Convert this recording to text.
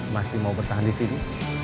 masih mau bertahan di sini